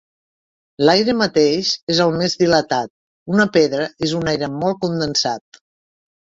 L'aire mateix és el més dilatat, una pedra és un aire molt condensat.